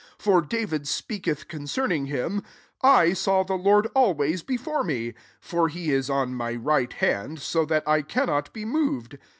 25 For David speaketh concerping him, <I saw the Lord always before me ; for he is on my right hand, so that I cannot be mov ed.